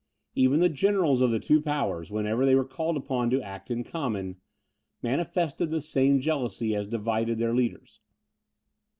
Even the generals of the two powers, whenever they were called upon to act in common, manifested the same jealousy as divided their leaders.